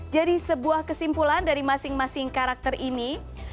sebuah kesimpulan dari masing masing karakter ini